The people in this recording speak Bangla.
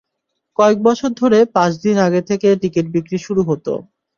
কয়েক বছর ধরে পাঁচ দিন আগে থেকে টিকিট বিক্রি শুরু হতো।